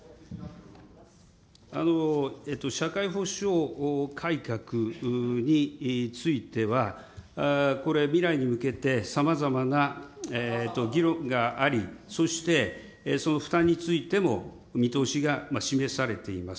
社会保障改革については、これ未来に向けて、さまざまな議論があり、そしてその負担についても見通しが示されています。